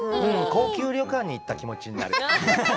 高級旅館に行った気持ちになる。